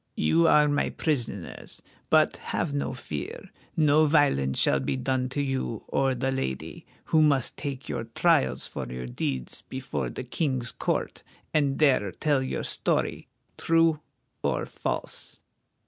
You are my prisoners, but have no fear. No violence shall be done to you or the lady, who must take your trials for your deeds before the King's court, and there tell your story, true or false."